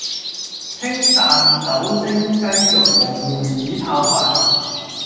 清淡酒蒸雞肉和梅子泡飯